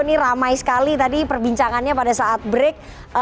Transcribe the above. ini ramai sekali tadi perbincangannya pada saat break